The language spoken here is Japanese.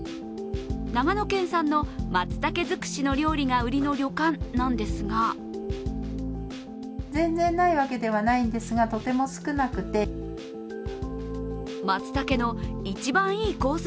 長野県産の松茸づくしの料理が売りの旅館なんですが松茸の一番いいコース